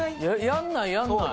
やらないやらない。